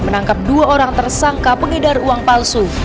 menangkap dua orang tersangka pengedar uang palsu